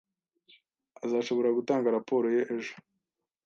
Azashobora gutanga raporo ye ejo